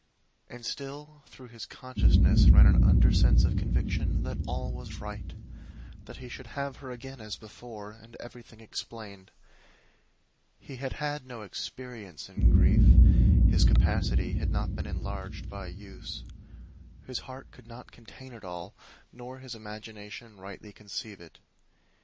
And still through his consciousness ran an undersense of conviction that all was right that he should have her again as before, and everything explained. He had had no experience in grief; his capacity had not been enlarged by use. His heart could not contain it all, nor his imagination rightly conceive it.